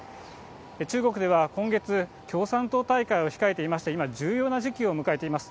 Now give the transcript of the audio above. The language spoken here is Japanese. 中国では今月、共産党大会を控えていまして、今、重要な時期を迎えています。